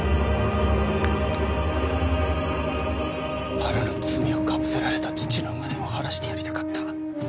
あらぬ罪をかぶせられた父の無念を晴らしてやりたかった。